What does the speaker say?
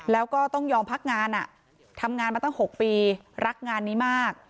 แล้วก็ต้องยอมพักงานทำงานมาตั้ง๖ปีรักงานนี้มาก